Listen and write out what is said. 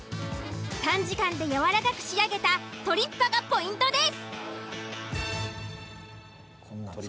短時間でやわらかく仕上げたトリッパがポイントです。